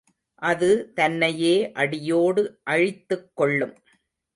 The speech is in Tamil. அது தன்னையே அடியோடு அழித்துக்கொள்ளும்.